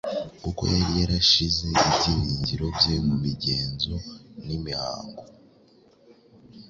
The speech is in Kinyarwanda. kuko yari yarashyize ibyiringiro bye mu migenzo n’imihango.